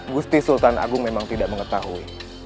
gusti sultan agung memang tidak mengetahui